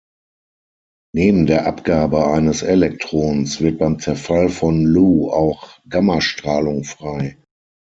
Neben der Abgabe eines Elektrons wird beim Zerfall von Lu auch Gammastrahlung frei.